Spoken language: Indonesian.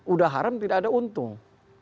udah haram tidak ada untung